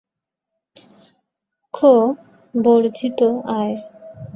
ক. বর্ধিত আয়